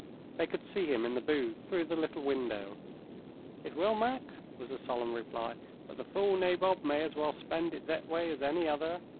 They could see him in the booth, through the little window. "It will, Mac," was the solemn reply. "But the fool nabob may as well spend it thet way as any other.